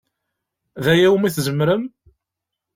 D aya umi tzemrem?